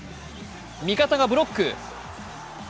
味方がブロック。